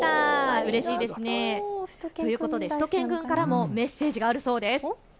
うれしいですね。ということで、しゅと犬くんからもメッセージがあるそうです。